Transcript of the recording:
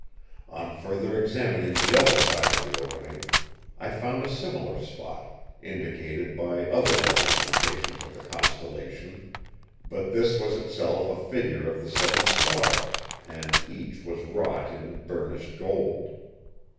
On further examining the other side of the opening, I found a similar spot, indicated by other representations of the constellation; but this was itself a figure of the seven stars, and each was wrought in burnished gold.